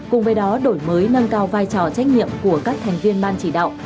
cùng với đó đổi mới nâng cao vai trò trách nhiệm của các thành viên ban chỉ đạo